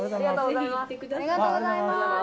「ありがとうございます！」